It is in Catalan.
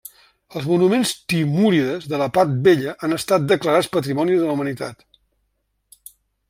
Els monuments timúrides de la part vella han estat declarats Patrimoni de la Humanitat.